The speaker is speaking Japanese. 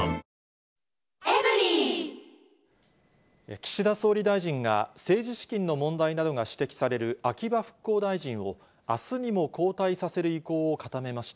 岸田総理大臣が、政治資金の問題などが指摘される秋葉復興大臣を、あすにも交代させる意向を固めました。